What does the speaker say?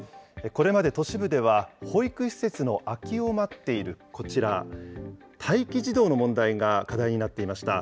これまで都市部では、保育施設の空きを待っている、こちら、待機児童の問題が課題になっていました。